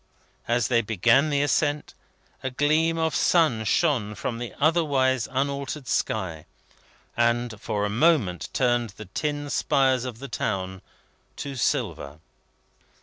As they began the ascent, a gleam of sun shone from the otherwise unaltered sky, and for a moment turned the tin spires of the town to silver.